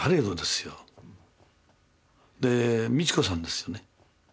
で美智子さんですよね。